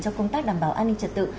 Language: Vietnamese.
cho công tác đảm bảo an ninh trật tự